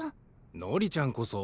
のりちゃんこそ。